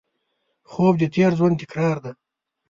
خوب د تېر ژوند تکرار دی